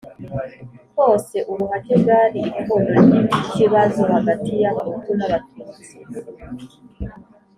kose ubuhake bwari ipfundo ry ikibazo hagati y Abahutu n Abatutsi